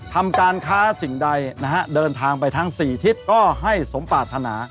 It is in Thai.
ทำการค้าสิ่งใดนะฮะเดินทางไปทั้ง๔ทิศก็ให้สมปรารถนา